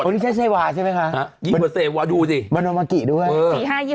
น่าเบียดมากค่ะ